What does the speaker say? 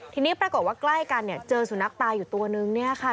ทีนี้ปรากฏว่าใกล้กันเนี่ยเจอสุนัขตายอยู่ตัวนึงเนี่ยค่ะ